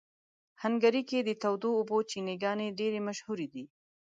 هنګري کې د تودو اوبو چینهګانې ډېرې مشهوره دي.